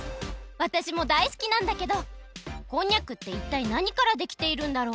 わたしもだいすきなんだけどこんにゃくっていったいなにからできているんだろう？